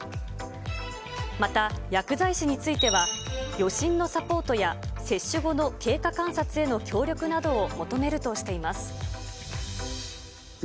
また薬剤師については、予診のサポートや接種後の経過観察への協力などを求めるとしています。